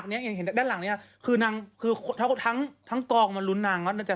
ก็เหมือนต้องผัดพากอ่ะ